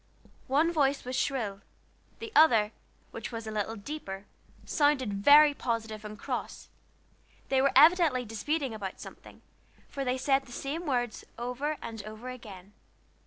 One voice was shrill; the other, which was a little deeper, sounded very positive and cross. They were evidently disputing about something, for they said the same words over and over again.